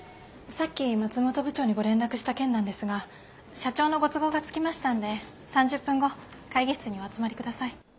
さっき松本部長にご連絡した件なんですが社長のご都合がつきましたんで３０分後会議室にお集まり下さい。